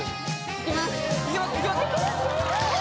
いけます？